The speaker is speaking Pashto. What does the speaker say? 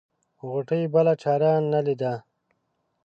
غوټۍ بله چاره نه ليده.